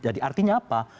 jadi artinya apa